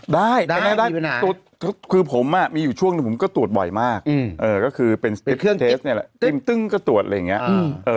ได้ได้คือผมมีอยู่ช่วงหนึ่งผมก็ตรวจบ่อยมากก็คือเป็นสเปคเนี่ยแหละติมตึ้งก็ตรวจอะไรอย่างนี้